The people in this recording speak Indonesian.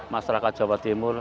masyarakat jawa timur